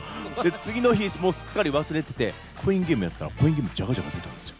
次の日、すっかり忘れてて、コインゲームやったら、コインゲーム、じゃかじゃか出たんですよ。